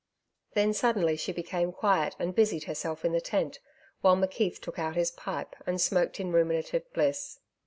Then suddenly she became quiet, and busied herself in the tent, while McKeith took out his pipe and smoked in ruminative bliss.